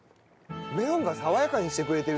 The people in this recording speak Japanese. メロンが爽やかにしてくれてるね。